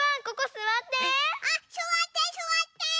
ここすわって！